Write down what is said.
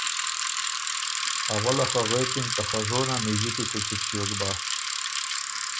اوله خه غوېکِن که خه ژونه مِݫی کی سو چِګ ݭیوک بَۀ